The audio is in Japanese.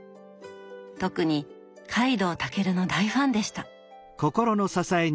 特に海堂尊の大ファンでした。